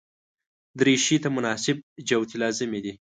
دریشي ته مناسب جوتي لازمي دي.